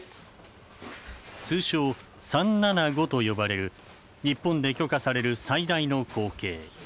通称３７５と呼ばれる日本で許可される最大の口径。